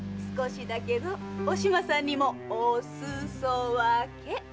少しだけどお島さんにもおすそわけ。